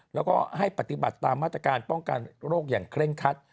แล้วก็ให้ปฏิบัติตามมาตรการป้องกันโรคอย่างเคร่งคัด